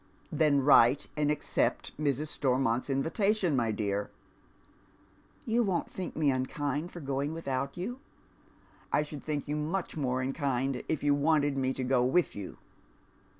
" Then wxite and accept Mrs. Stormont's invitation, my dear." " You won't think me unkind for going without you ?"" I should tliink you much more unkind if you wanted me to go with you."